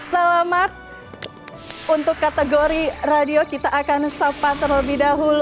selamat untuk kategori radio kita akan sapa terlebih dahulu